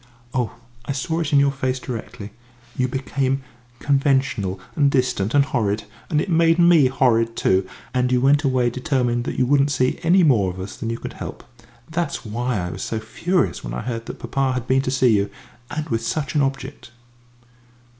Oh, I saw it in your face directly you became conventional and distant and horrid, and it made me horrid too; and you went away determined that you wouldn't see any more of us than you could help. That's why I was so furious when I heard that papa had been to see you, and with such an object."